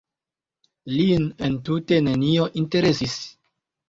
Lin entute nenio interesis.